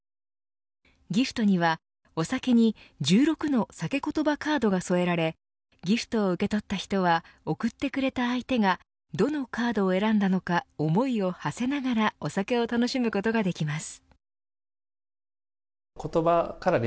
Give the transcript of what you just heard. ギフトにはお酒に１６の酒ことばカードが添えられギフトを受け取った人は贈ってくれた相手がどのカードを選んだのか思いをはせながらお酒を楽しむことができます。